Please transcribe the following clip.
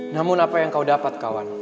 namun apa yang kau dapat kawan